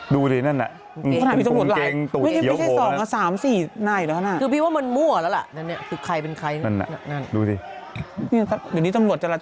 ดูสินั่นน่ะตรงคู่เกงตูดเขียวโผล่นะน่ะพี่ก็พูดหลาย